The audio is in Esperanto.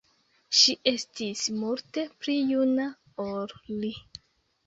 Ŝi estis multe pli juna ol li.